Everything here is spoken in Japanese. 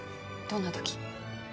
どんな時？